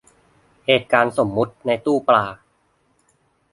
เหตุการณ์สมมติในตู้ปลา